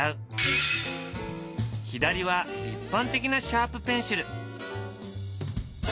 左は一般的なシャープペンシル。